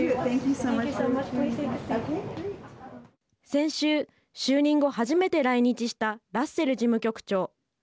先週、就任後初めて来日したラッセル事務局長。